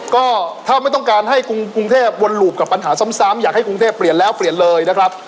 ก็ถ้าไม่ต้องการให้กรุงเทพวนหลูบกับปัญหาซ้ำอยากให้กรุงเทพเปลี่ยนแล้วเปลี่ยนเลยนะครับ